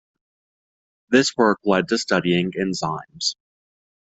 This work led to studying enzymes.